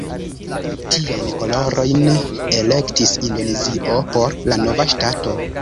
Tiajn kolorojn elektis Indonezio por la nova ŝtato.